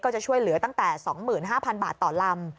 จะช่วยเหลือตั้งแต่๒๕๐๐บาทต่อลำ